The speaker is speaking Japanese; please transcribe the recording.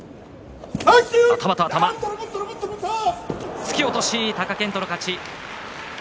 突き落とし、貴健斗の勝ち。